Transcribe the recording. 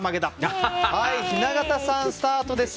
雛形さんスタートです。